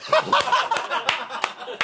ハハハハ！